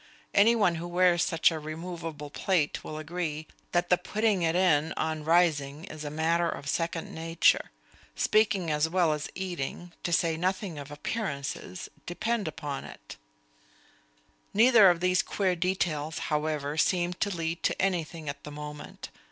Any one who wears such a removable plate will agree that the putting it in on rising is a matter of second nature. Speaking as well as eating, to say nothing of appearances, depend upon it. Neither of these queer details, however, seemed to lead to anything at the moment.